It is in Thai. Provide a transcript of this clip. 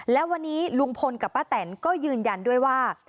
และวันนี้ลุงพลกับป้าแตนก็ยืนยันด้วยว่า